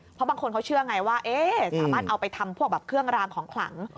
เพราะบางคนเขาเชื่อไงว่าสามารถเอาไปทำพวกแบบเครื่องรางของขลัง